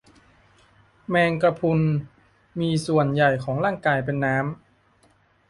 แมงกะพรุน มีส่วนใหญ่ของร่างกายเป็นน้ำ